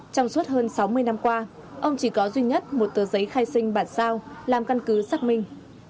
trong suốt hơn sáu mươi năm qua ông chỉ có duy nhất một tờ giấy khai sinh bản sao làm căn cứ xác minh